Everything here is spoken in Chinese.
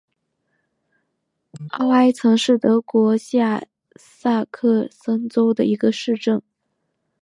奥埃岑是德国下萨克森州的一个市镇。